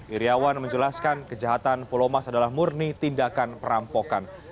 iryawan menjelaskan kejahatan pulomas adalah murni tindakan perampokan